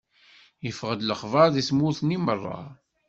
Iffeɣ lexbaṛ di tmurt-nni meṛṛa.